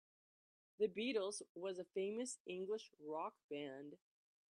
The Beatles was a famous English rock band.